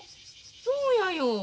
そうやよ。